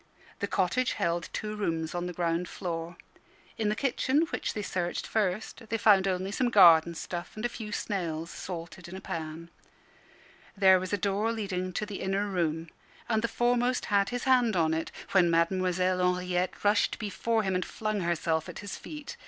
The cottage held two rooms on the ground floor. In the kitchen, which they searched first, they found only some garden stuff and a few snails salted in a pan. There was a door leading to the inner room, and the foremost had his hand on it, when Mademoiselle Henriette rushed before him, and flung herself at his feet.